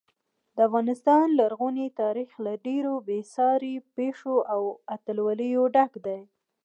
د افغانستان لرغونی تاریخ له ډېرو بې ساري پیښو او اتلولیو څخه ډک دی.